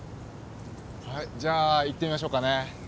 はいじゃあ行ってみましょうかね。